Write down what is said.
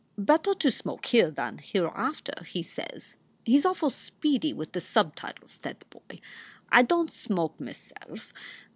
Better to smoke here than hereafter/ he says. He s awful speedy with the subtitles, that boy. I don t smoke, m self.